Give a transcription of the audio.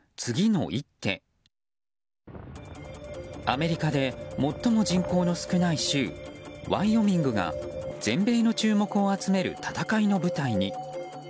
アメリカで最も人口の少ない州ワイオミングが全米の注目を集める戦いの舞台に。